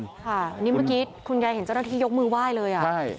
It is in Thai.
ค่ะนี่เมื่อกี้คุณยายเห็นเจ้าหน้าที่ยกมือไหว้เลยอ่ะใช่